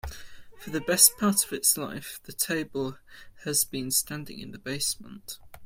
For the best part of its life, the table has been standing in the basement.